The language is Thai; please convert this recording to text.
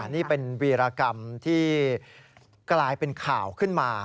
นี่เป็นวีรกรรมที่กลายเป็นข่าวขึ้นมา